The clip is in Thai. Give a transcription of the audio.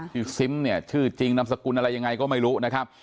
ซิมเนี่ยชื่อจริงนามสกุลอะไรยังไงก็ไม่รู้นะครับ